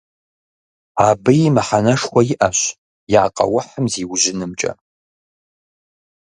Абыи мыхьэнэшхуэ иӀэщ я къэухьым зиужьынымкӀэ.